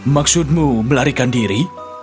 maksudmu melarikan diri